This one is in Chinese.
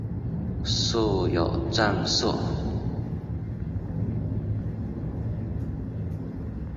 设有站舍。